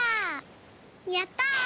やった！